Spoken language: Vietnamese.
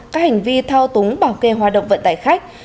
các hành vi thao túng bảo kê hoạt động vận tải khách